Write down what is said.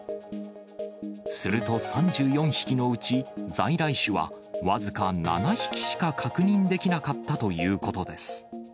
すると、３４匹のうち在来種は僅か７匹しか確認できなかったということです。